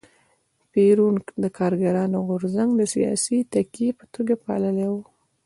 پېرون د کارګرانو غورځنګ د سیاسي تکیې په توګه پاللی و.